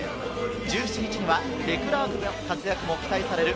１７日にはデクラークの活躍も期待される